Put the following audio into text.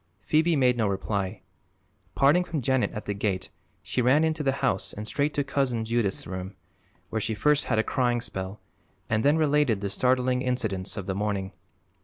Phoebe made no reply. Parting from Janet at the gate she ran into the house and straight to Cousin Judith's room, where she first had a crying spell and then related the startling incidents of the morning.